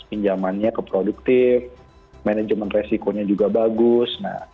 hanya keproduktif manajemen resikonya juga bagus